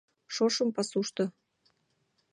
ШОШЫМ ПАСУШТО